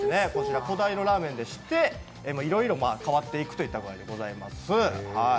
魚介のラーメンでしていろいろ変わっていくという形でございます。